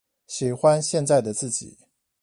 喜歡現在的自己